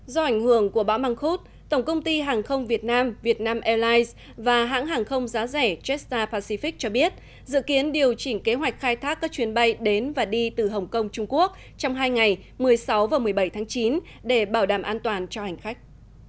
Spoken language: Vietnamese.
do ảnh hưởng của bão măng khuốt tổng công ty hàng không việt nam vietnam airlines và hãng hàng không giá rẻ jetstar pacific cho biết dự kiến điều chỉnh kế hoạch khai thác các chuyến bay đến và đi từ hồng kông trung quốc trong hai ngày một mươi sáu và một mươi bảy tháng chín để bảo đảm an toàn cho hành khách